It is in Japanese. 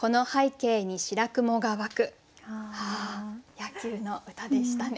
野球の歌でしたね。